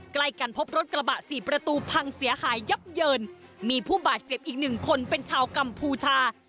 ใกล้กันพบรถกระบะสี่ประตูพังเสียหายยับเยินมีผู้บาดเจ็บอีกหนึ่งคนเป็นชาวกัมพูชา